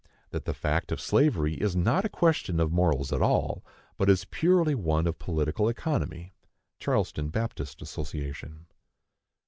That the fact of slavery is not a question of morals at all, but is purely one of political economy. (Charleston Baptist Association.)